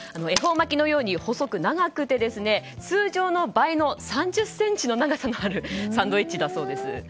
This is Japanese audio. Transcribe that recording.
恵方巻きのように細くて長くて通常の倍の通常の倍の３０ｃｍの長さのあるサンドイッチだそうです。